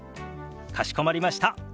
かしこまりました。